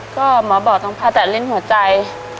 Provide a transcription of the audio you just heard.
ก็หมอบอกต้องผ่าตัดเล่นหัวใจ